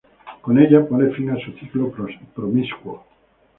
Con ella pone fin a su ciclo promiscuo.